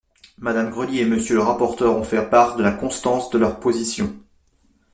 Madame Grelier et Monsieur le rapporteur ont fait part de la constance de leur position.